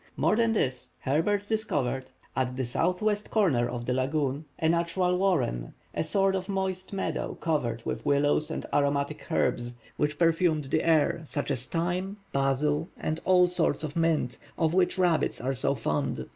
More than this, Herbert discovered, at the southwest corner of, the lagoon, a natural warren, a sort of moist meadow covered with willows and aromatic herbs, which perfumed the air, such as thyme, basil, and all sorts of mint, of which rabbits are so fond.